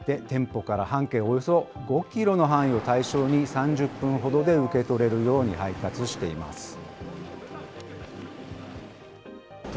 店舗から半径およそ５キロの範囲を対象に、３０分ほどで受け取れるように配達しています。